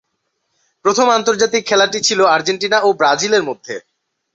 প্রথম আন্তর্জাতিক খেলাটি ছিল আর্জেন্টিনা ও ব্রাজিলের মধ্যে।